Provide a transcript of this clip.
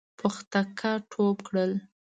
پختکه ټوپ کړل.